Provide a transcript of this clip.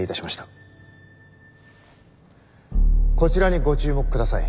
こちらにご注目ください。